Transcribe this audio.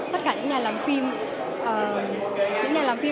tất cả những nhà làm phim